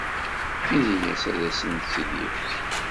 Ini-as ad asent-t-id-yefk.